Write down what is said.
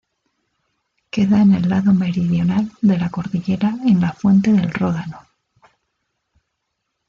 Queda en el lado meridional de la cordillera en la fuente del Ródano.